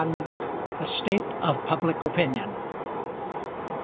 THE STATE OF PUBLIC OPINION.